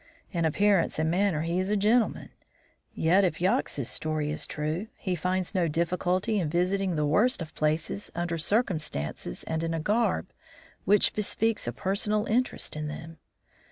In appearance and manner he is a gentleman, yet if Yox's story is true he finds no difficulty in visiting the worst of places under circumstances and in a garb which bespeaks a personal interest in them.